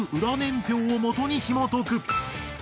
裏年表をもとにひもとく。